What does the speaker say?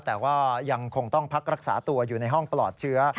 แต่ว่ายังคงต้องพักรักษาตัวอยู่ในห้องปลอดเชื้อ